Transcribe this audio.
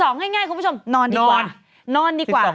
๑๒ง่ายคุณผู้ชมนอนดีกว่า